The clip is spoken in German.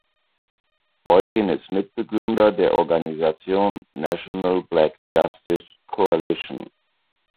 Boykin ist Mitbegründer der Organisation "National Black Justice Coalition".